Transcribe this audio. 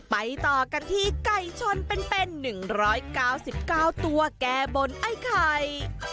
ไปต่อกันที่ไก่ชนเป็น๑๙๙ตัวแก้บนไอ้ไข่